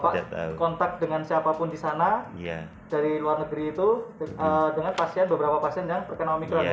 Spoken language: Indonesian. bapak kontak dengan siapapun di sana dari luar negeri itu dengan beberapa pasien yang berkenaan omikron ya